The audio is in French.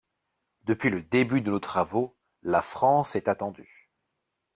Depuis le début de nos travaux, la France est attendue.